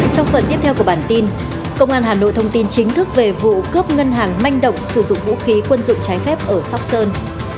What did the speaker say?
trong phần tiếp theo của bản tin công an hà nội thông tin chính thức về vụ cướp ngân hàng manh động sử dụng vũ khí quân dụng trái phép ở sóc sơn